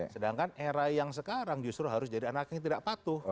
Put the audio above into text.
sedangkan era yang sekarang justru harus jadi anak yang tidak patuh